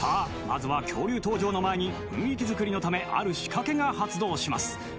まずは恐竜登場の前に雰囲気づくりのためある仕掛けが発動します